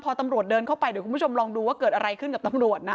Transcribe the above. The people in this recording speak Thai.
พอตำรวจเดินเข้าไปเดี๋ยวคุณผู้ชมลองดูว่าเกิดอะไรขึ้นกับตำรวจนะ